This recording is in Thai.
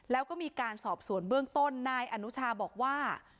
แล้วก็มีการสอบสวนเบื้องต้นนายอนุชาบอกว่า